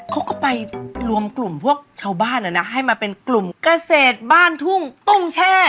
เขาก็ไปรวมกลุ่มพวกชาวบ้านให้มาเป็นกลุ่มเกษตรบ้านทุ่งตุ้งแช่